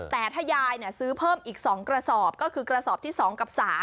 แต่ถ้ายายซื้อเพิ่มอีก๒กระสอบก็คือกระสอบที่๒กับ๓